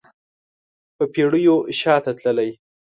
په پیړیو شاته تللی